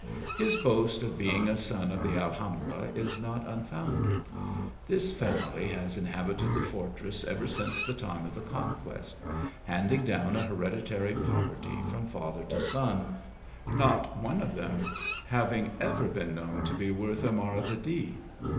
His boast 01 being a son of the Alhambra is not unfounded. Ttiis family has inhabited the fortress ever since the time of the conquest, handing down a hereditary poverty from father to son, not one of them having ever been known to be worth a marevedi.